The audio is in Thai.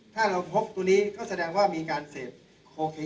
ถ้าเราพบตัวนี้ก็แสดงว่ามีการเสพโคเค